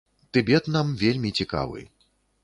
Тыбет нам вельмі цікавы.